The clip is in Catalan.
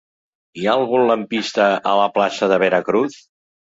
Hi ha algun lampista a la plaça de Veracruz?